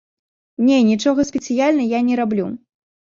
Не, нічога спецыяльна я не раблю.